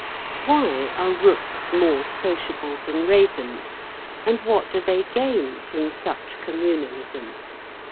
Why are rooks more sociable than ravens, and what do they gain from such communalism?